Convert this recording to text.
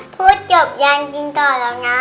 พูดจบยังกินต่อแล้วนะ